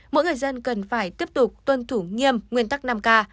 mỗi người dân cần phải tiếp tục tuân thủ nghiêm nguyên tắc năm k